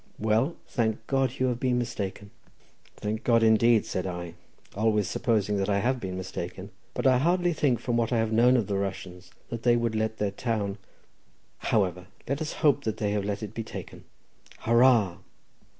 Well, thank God, you have been mistaken!" "Thank God, indeed," said I, "always supposing that I have been mistaken—but I hardly think, from what I have known of the Russians, that they would let their town—however, let us hope that they have let it be taken, Hurrah!"